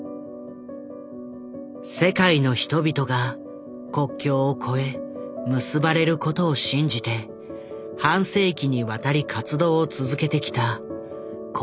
世界の人々が国境を越え結ばれることを信じて半世紀にわたり活動を続けてきた国境なき医師団。